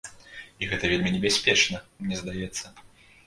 І гэта вельмі небяспечна, мне здаецца.